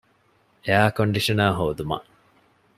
އެއަރ ކޮންޑިޝަނަރ ހޯދުމަށް